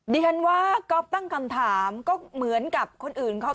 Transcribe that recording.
ดิฉันว่าก็ตั้งคำถามก็เหมือนกับคนอื่นก็ได้นะครับ